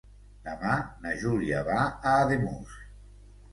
Demà na Júlia va a Ademús.